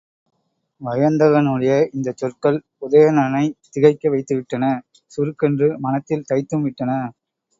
வயந்தகனுடைய இந்தச் சொற்கள் உதயணனைத் திகைக்க வைத்துவிட்டன சுருக்கென்று மனத்தில் தைத்தும் விட்டன.